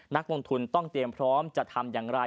นักลงทุนต้องเตรียมพร้อมจะทำอย่างไร